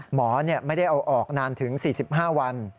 หมอไม่ได้เอาออกนานถึง๔๕วัน